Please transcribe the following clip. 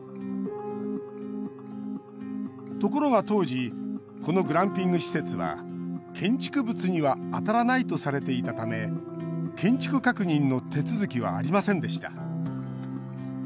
ところが当時このグランピング施設は建築物には当たらないとされていたため建築確認の手続きはありませんでした。